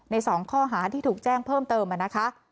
๒ข้อหาที่ถูกแจ้งเพิ่มเติมนะคะ